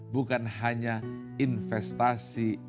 bukan hanya investasi emosional